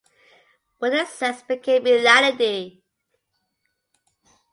What they sensed became reality.